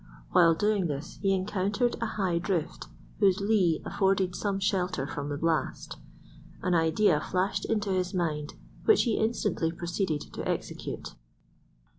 While doing this he encountered a high drift whose lee afforded some shelter from the blast. An idea flashed into his mind which he instantly proceeded to execute.